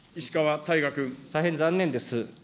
大変残念です。